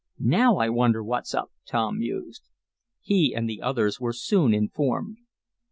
"Now I wonder what's up," Tom mused. He and the others were soon informed.